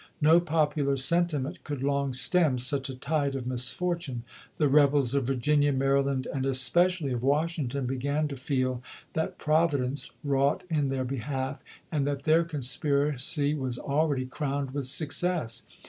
No popular sentiment could long stem such a tide of misfortune. The rebels of Vir ginia, Maryland, and especially of Washington began to feel that Providence wrought in their behalf, and that theii' conspiracy was akeady crowned with success.